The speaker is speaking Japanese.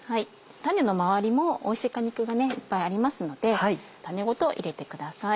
種の回りもおいしい果肉がいっぱいありますので種ごと入れてください。